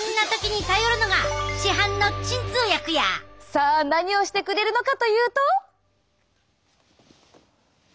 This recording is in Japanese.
さあ何をしてくれるのかというと。